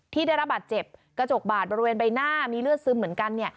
ที่ได้รับบาดเจ็บกระจกบาดบริเวณใบหน้ามีเลือดซึมเหมือนกัน